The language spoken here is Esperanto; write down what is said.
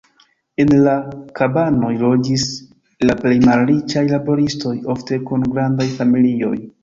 En la kabanoj loĝis la plej malriĉaj laboristoj, ofte kun grandaj familioj.